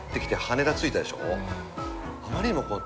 あまりにもこう。